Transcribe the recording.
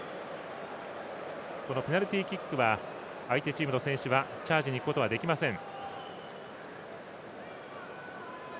ペナルティキックは相手チームの選手はチャージにいくことはできません。